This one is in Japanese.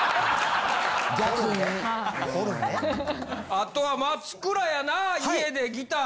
あとは松倉やな家でギター。